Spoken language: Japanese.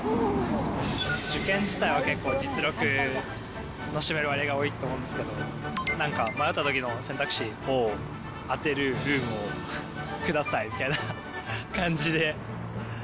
受験自体は結構、実力の占める割合が多いと思うんですけど、なんか迷ったときの選択肢を当てる運をくださいみたいな感じで。